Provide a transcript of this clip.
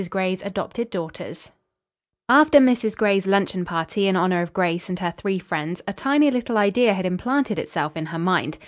GRAY'S ADOPTED DAUGHTERS After Mrs. Gray's luncheon party in honor of Grace and her three friends a tiny little idea had implanted itself in her mind.